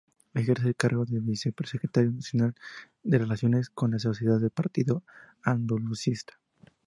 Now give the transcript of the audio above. Ejerce el cargo de "Vicesecretario Nacional de Relaciones con la Sociedad" del Partido Andalucista.